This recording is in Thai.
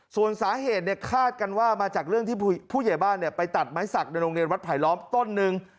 ส่วนสาเหตุเนี่ยคาดกันว่ามาจากเรื่องที่ผู้ใหญ่บ้านไปตัดไม้สักในโรงเรียนวัดไผลล้อมต้นหนึ่ง